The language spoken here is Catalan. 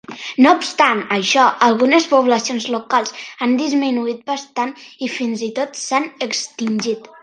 No obstant això, algunes poblacions locals han disminuït bastant i, fins i tot, s'han extingit.